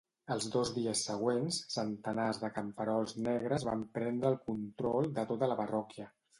Els dos dies següents, centenars de camperols negres van prendre el control de tota la parròquia.